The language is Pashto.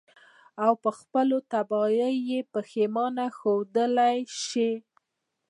او په خپلو تباهيو ئې پښېمانه ښودلے شي.